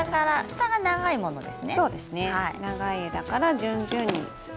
長い枝から順々に。